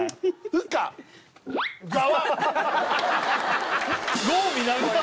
ふかざわ！